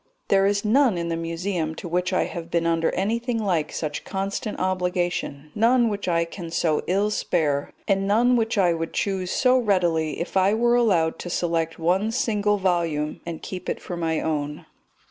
There is none in the Museum to which I have been under anything like such constant obligation, none which I can so ill spare, and none which I would choose so readily if I were allowed to select one single volume and keep it for my own.